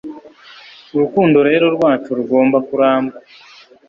Urukundo rero rwacu rugomba kuramba